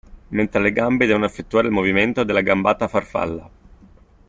Mentre le gambe devono effettuare il movimento della gambata a farfalla.